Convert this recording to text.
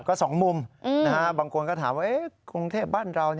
ก็สองมุมบางคนก็ถามว่ากรุงเทพบ้านเรา